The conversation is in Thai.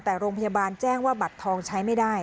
แต่โรงพยาบาลแจ้งว่าบัตรทองใช้ไม่ได้